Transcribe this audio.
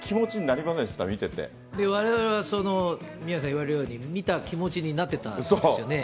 われわれはその宮根さん言われるように、見た気持ちになってたんですよね。